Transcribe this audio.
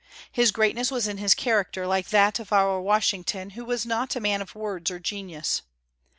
His greatness was in his character, like that of our Washington, who was not a man of words or genius.